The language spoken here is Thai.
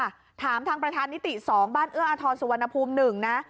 ถามทางประธานนิติ๒บ้านเอื้ออาทรสุวรรณภูมิ๑นะ